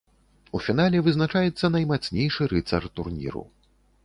У фінале вызначаецца наймацнейшы рыцар турніру.